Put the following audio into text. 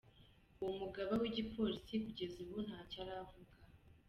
Uwo mugaba w'igipolisi kugeza ubu ntaco aravuga.